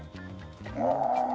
ああ。